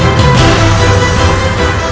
jangan lupa untuk berlangganan